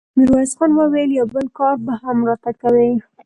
ميرويس خان وويل: يو بل کار به هم راته کوې!